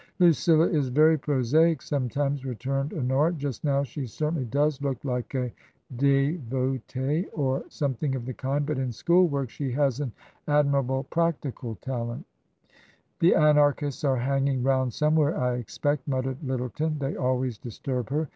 " Lucilla is very prosaic — sometimes," returned Ho nora; "just now she certainly does look like a devote or something of the kind. But in school work she has an admirable practical talent." TRANSITION. 185 "The Anarchists are hanging round somewhere, I expect," muttered Lyttleton ;" they always disturb her.